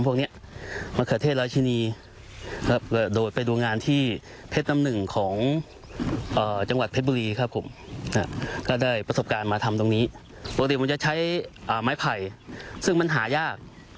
ปกติมันจะใช้ไม้ไผ่ซึ่งมันหายาก